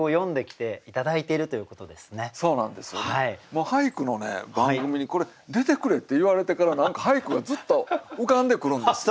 もう俳句の番組に出てくれって言われてから何か俳句がずっと浮かんでくるんですよ。